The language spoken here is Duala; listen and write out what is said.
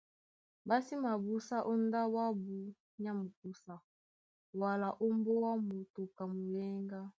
Ɓá sí mabúsá ó ndáɓo ábū nyá mukúsa wala ó mbóá moto ka muyéŋgá.